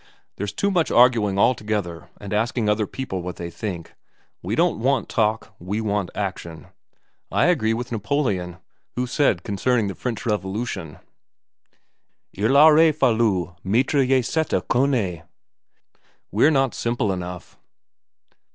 There's too much arguing altogether and asking other people what they think. We don't want talk, we want action. I agree with Napoleon, who said concerning the French Revolution, " II aurait fallu mitrailler cette canaille." We're not simple enough.'